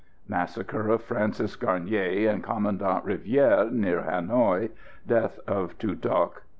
Massacre of Francis Garnier and Commandant Rivière near Hanoï. Death of Tu Duc.